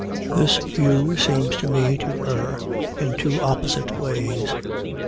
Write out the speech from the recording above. This view seems to me to err in two opposite ways.